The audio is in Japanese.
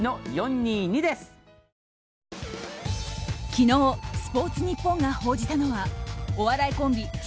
昨日、スポーツニッポンが報じたのはお笑いコンビ